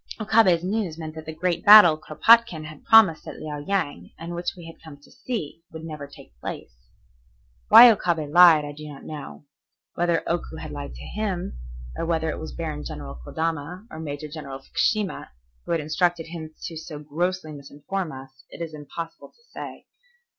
Okabe's news meant that the great battle Kuropatkin had promised at Liao Yang, and which we had come to see, would never take place. Why Okabe lied I do not know. Whether Oku had lied to him, or whether it was Baron General Kodama or Major General Fukushima who had instructed him to so grossly misinform us, it is impossible to say.